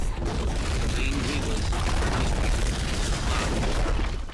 The main rivers in the district is the Saale.